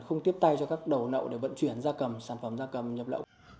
không tiếp tay cho các đầu nậu để vận chuyển da cầm sản phẩm da cầm nhập lậu